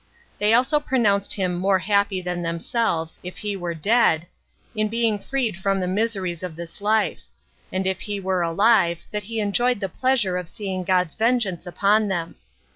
They also pronounced him more happy than themselves, if he were dead, in being freed from the miseries of this life; and if he were alive, that he enjoyed the pleasure of seeing God's vengeance upon them.